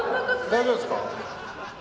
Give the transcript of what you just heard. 大丈夫ですか？